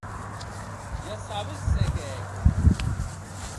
Ja sabes se qué hec!